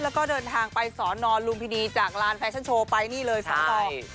แล้วก็เดินทางไปสอนอนลุมพินีจากลานแฟชั่นโชว์ไปนี่เลย๒ต่อ